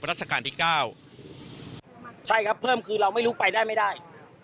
ราชการที่เก้าใช่ครับเพิ่มคือเราไม่รู้ไปได้ไม่ได้